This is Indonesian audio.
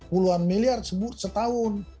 puluhan miliar semua setahun